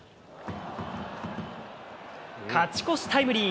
勝ち越しタイムリー。